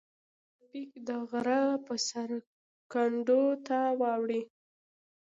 د شاړوبېک د غره په سر کنډو ته واوړې